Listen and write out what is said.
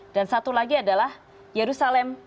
dan satu lagi adalah yerusalem